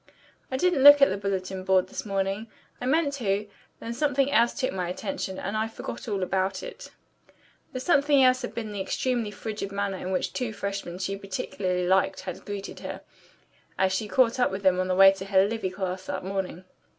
"I didn't look at the bulletin board this morning. I meant to, then something else took my attention, and I forgot all about it." The "something else" had been the extremely frigid manner in which two freshmen she particularly liked had greeted her as she caught up with them on the way to her Livy class that morning.